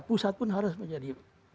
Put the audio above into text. pusat pun harus menjadi